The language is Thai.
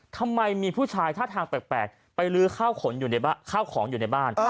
ทำไมมีผู้ชายท่าทางแปลกไปลื้อข้าวของอยู่ในบ้าน